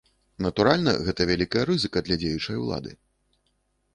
Натуральна, гэта вялікая рызыка для дзеючай улады.